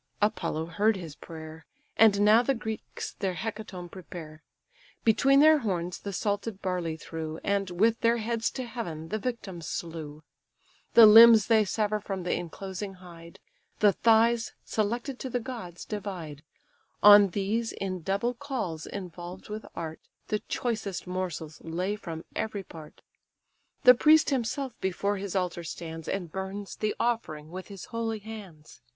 Apollo heard his prayer: And now the Greeks their hecatomb prepare; Between their horns the salted barley threw, And, with their heads to heaven, the victims slew: The limbs they sever from the inclosing hide; The thighs, selected to the gods, divide: On these, in double cauls involved with art, The choicest morsels lay from every part. The priest himself before his altar stands, And burns the offering with his holy hands.